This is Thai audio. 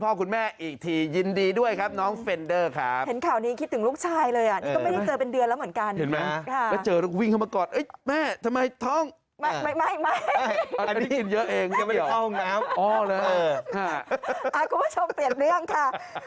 สวัสดีด้วยครับน้องเฟรนเดอร์ครับเห็นข่าวนี้คิดถึงลูกชายเลยอ่ะนี่ก็ไม่ได้เจอเป็นเดือนแล้วเหมือนกันเห็นไหมค่ะแล้วเจอแล้วกูวิ่งเข้ามากอดเอ๊ะแม่ทำไมท้องไม่ไม่ไม่ไม่อันนี้กินเยอะเองยังไม่ได้เข้าห้องน้ำอ๋อเลยเออค่ะอ่ะกูมาชมเปลี่ยนเรื่องค่ะ